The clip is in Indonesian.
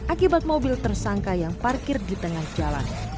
akibat mobil tersangka yang parkir di tengah jalan